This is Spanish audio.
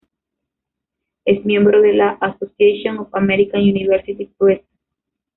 Es miembro de la "Association of American University Presses".